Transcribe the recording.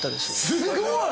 すごい！